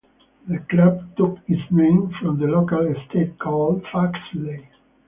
The Club took its name from the local estate called Foxley.